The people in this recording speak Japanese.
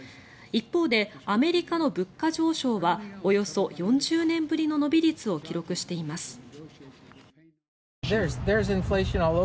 一方で、アメリカの物価上昇はおよそ４０年ぶりの伸び率を記録しています。